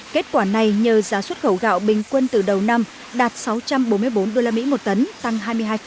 kết quả này nhờ giá xuất khẩu gạo bình quân từ đầu năm đạt sáu trăm bốn mươi bốn usd một tấn tăng hai mươi hai